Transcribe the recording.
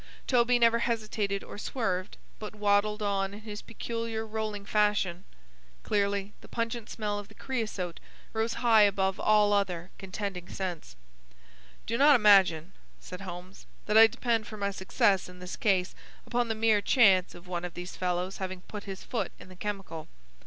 Toby never hesitated or swerved, but waddled on in his peculiar rolling fashion. Clearly, the pungent smell of the creasote rose high above all other contending scents. "Do not imagine," said Holmes, "that I depend for my success in this case upon the mere chance of one of these fellows having put his foot in the chemical.